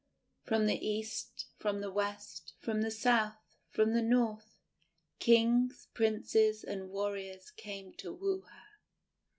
From the east, from the west, from the south, from the north, kings, princes, and warriors came to woo her.